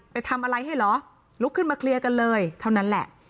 ไปทำอะไรให้เหรอลุกขึ้นมาเคลียร์กันเลยเท่านั้นแหละ